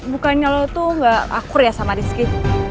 bukannya lo tuh gak kakur ya sama rizky